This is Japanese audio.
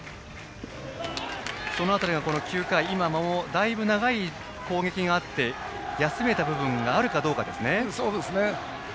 その辺りが９回だいぶ長い攻撃があって休めた部分があるかどうかです。